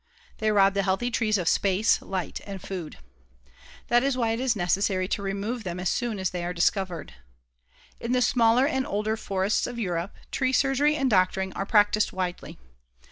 They rob the healthy trees of space, light and food. That is why it is necessary to remove them as soon as they are discovered. In the smaller and older forests of Europe, tree surgery and doctoring are practised widely.